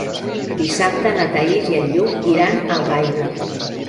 Dissabte na Thaís i en Lluc iran a Algaida.